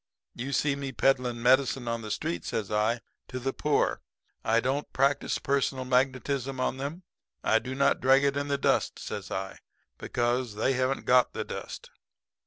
You see me peddling medicine on the street,' says I, 'to the poor. I don't practice personal magnetism on them. I do not drag it in the dust,' says I, 'because they haven't got the dust.'